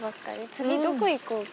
次どこ行こうか？